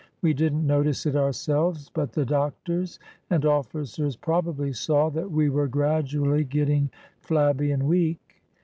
We did n't notice it ourselves, but the doctors and officers probably saw that we were gradually getting flabby and weak.